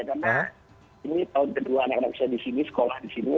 karena ini tahun kedua anak anak saya di sini sekolah di sini